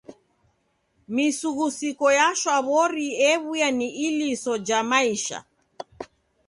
Misughusiko ya shwaw'ori ew'uya ni iliso ja maisha.